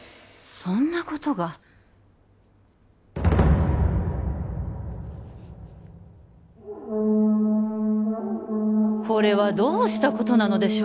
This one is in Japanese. そんなことがこれはどうしたことなのでしょうか